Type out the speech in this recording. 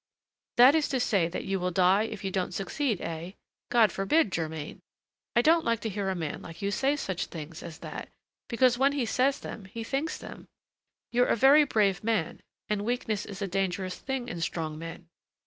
"That is to say that you will die if you don't succeed, eh? God forbid, Germain! I don't like to hear a man like you say such things as that, because when he says them he thinks them. You're a very brave man, and weakness is a dangerous thing in strong men.